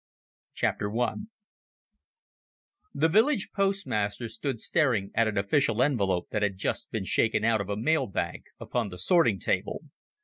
I The village postmaster stood staring at an official envelope that had just been shaken out of a mailbag upon the sorting table.